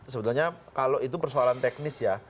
sebetulnya kalau itu persoalan teknis ya